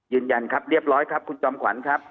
ยืนยันครับเรียบร้อยครับคุณจอมขวัญครับ